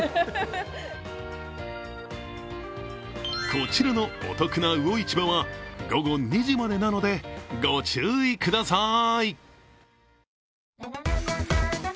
こちらのお得な魚市場は午後２時までなのでご注意ください。